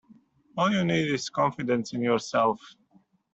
All you need is confidence in yourself.